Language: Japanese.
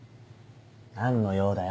何の用だよ。